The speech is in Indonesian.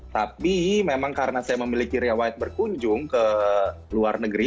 tapi memang karena saya memiliki riwayat berkunjung ke luar negeri